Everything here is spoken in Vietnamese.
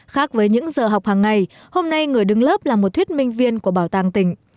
khác với những giờ học hàng ngày hôm nay người đứng lớp là một thuyết minh viên của bảo tàng tỉnh